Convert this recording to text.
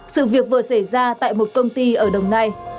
sự việc vừa xảy ra tại một công ty ở đồng nai